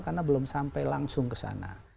karena belum sampai langsung ke sana